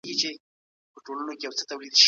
د زده کوونکو د رواني ستونزو د حل لپاره مشاورین سته؟